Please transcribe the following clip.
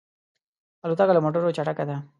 الوتکه له موټرو چټکه ده.